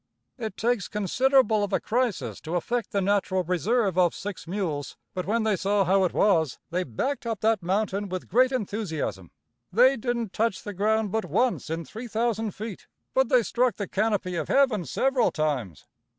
"It takes considerable of a crisis to affect the natural reserve of six mules; but when they saw how it was, they backed up that mountain with great enthusiasm. They didn't touch the ground but once in three thousand feet, but they struck the canopy of heaven several times.